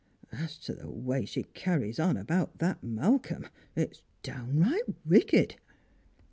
As to the way she carries on about that Malcolm, it's downright wicked."